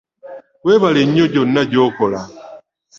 Weebale nnyo gyonna gy'okola.